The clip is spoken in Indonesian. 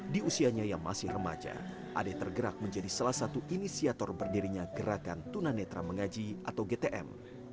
di usianya yang masih remaja ade tergerak menjadi salah satu inisiator berdirinya gerakan tunanetra mengaji atau gtm